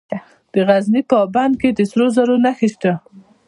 د غزني په اب بند کې د سرو زرو نښې شته.